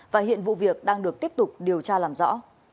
và hiện vụ việc đang được tiếp tục điều tra làm rõ